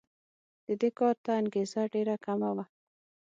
د دې کار ته انګېزه ډېره کمه وه.